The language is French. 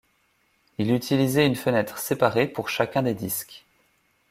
Il utilisait une fenêtre séparée pour chacun des disques.